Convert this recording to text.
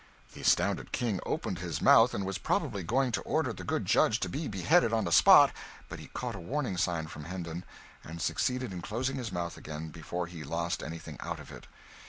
The astounded King opened his mouth, and was probably going to order the good judge to be beheaded on the spot; but he caught a warning sign from Hendon, and succeeded in closing his mouth again before he lost anything out of it.